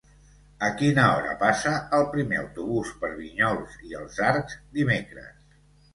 A quina hora passa el primer autobús per Vinyols i els Arcs dimecres?